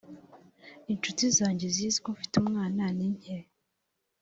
Incuti zanjye zizi ko mfite umwana ni nke